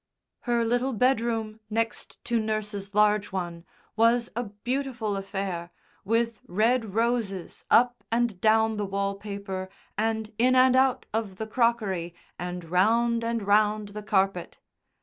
Her little bedroom next to nurse's large one was a beautiful affair, with red roses up and down the wall paper and in and out of the crockery and round and round the carpet.